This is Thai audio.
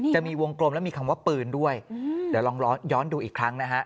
จะมีวงกลมแล้วมีคำว่าปืนด้วยเดี๋ยวลองย้อนดูอีกครั้งนะฮะ